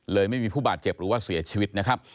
ไม่มีผู้บาดเจ็บหรือว่าเสียชีวิตนะครับ